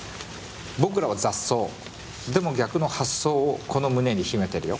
「僕らは雑草でも逆の発想をこの胸に秘めているよ」。